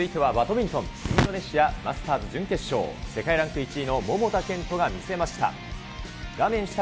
インドネシア・マスターズ準決勝、世界ランク１位の桃田賢斗が見せました。